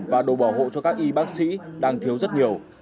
và đồ bảo hộ cho các y bác sĩ đang thiếu rất nhiều